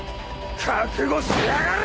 覚悟しやがれ！